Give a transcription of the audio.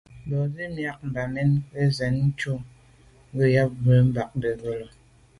Mbə́zə́ myɑ̂k Bamen gə̀ yə́ ncʉ̂ gə̀ yá cú mbā ndə̂gə́lô.